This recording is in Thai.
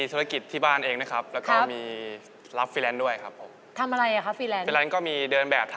โอ้โหแบกสบายนะครับ